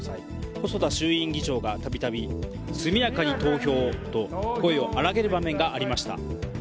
細田衆議院議長が度々速やかに投票をと声を荒げる場面がありました。